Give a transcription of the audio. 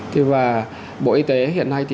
thế và bộ y tế hiện nay